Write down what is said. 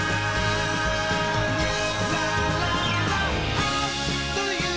「あっというまっ！